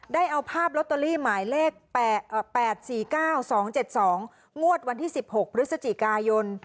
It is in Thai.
ได้เอาภาพลอตเตอรี่หมายเลข๘๔๙๒๗๒งวดวันที่๑๖พฤศจิกายน